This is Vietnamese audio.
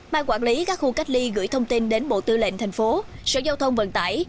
ban quản lý các khu cách ly gửi thông tin đến bộ tư lệnh thành phố sở giao thông vận tải